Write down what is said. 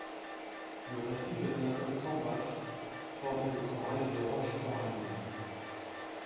Le récif est un atoll sans passe, formé de corail et de roches coralliennes.